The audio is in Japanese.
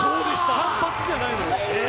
単発じゃないのよ。